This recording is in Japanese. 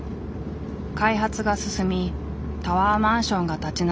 開発が進みタワーマンションが立ち並ぶ人気の地区。